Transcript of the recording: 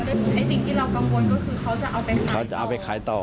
สิ่งที่เรากังวลก็คือเขาจะเอาไปขายต่อ